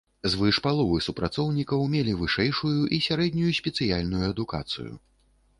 Звыш паловы супрацоўнікаў мелі вышэйшую і сярэднюю спецыяльную адукацыю.